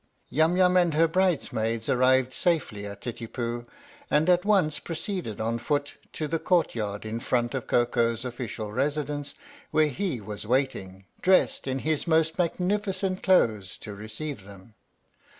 Yum Yum and her bridesmaids arrived safely at Titipu and at once proceeded on foot to the court yard in front of Koko's Official Residence, where he was waiting, dressed in his most magnificent clothes, to receive them.